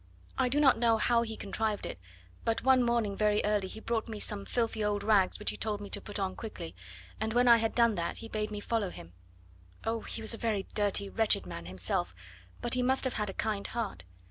I do not know how he contrived it, but one morning very early he brought me some filthy old rags which he told me to put on quickly, and when I had done that he bade me follow him. Oh! he was a very dirty, wretched man himself, but he must have had a kind heart.